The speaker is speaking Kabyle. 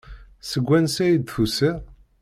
Seg wansi ay d-tusiḍ?